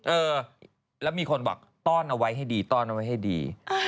เออแล้วมีคนบอกต้อนเอาไว้ให้ดีต้อนเอาไว้ให้ดี